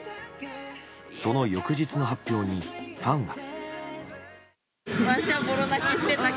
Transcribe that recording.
その翌日の発表にファンは。